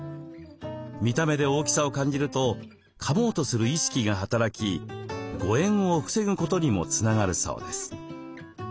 見た目で大きさを感じるとかもうとする意識が働き誤えんを防ぐことにもつながるそうです。